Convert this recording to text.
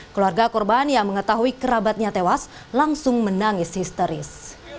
keluarga korban yang mengetahui kerabatnya tewas langsung menangis histeris